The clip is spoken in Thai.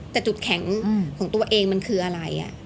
แต่จุดแข็งของตัวเองมันคืออะไร